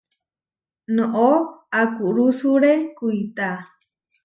Noʼó akurusuré kuitá.